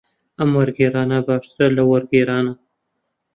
ئەم وەرگێڕانە باشترە لەو وەرگێڕانە.